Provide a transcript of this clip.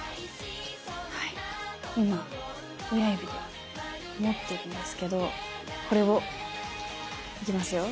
はい今親指で持ってるんですけどこれをいきますよ。